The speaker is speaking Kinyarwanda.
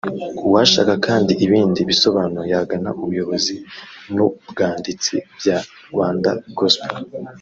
uwashaka kandi ibindi bisobanuro yagana ubuyobozi n’ ubwanditsi bya Rwandagospel